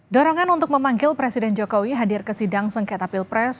dorongan untuk memanggil presiden jokowi hadir ke sidang sengketa pilpres